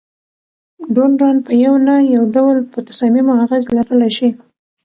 ډونران په یو نه یو ډول په تصامیمو اغیز لرلای شي.